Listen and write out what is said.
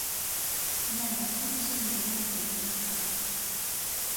На ягоным сумленні вельмі шмат.